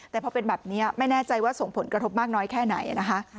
แต่พอเป็นแบบนี้ไม่แน่ใจว่าส่งผลกระทบมากน้อยแค่ไหนนะคะ